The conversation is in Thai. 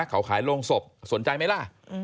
เขาขายโรงศพสนใจไหมล่ะ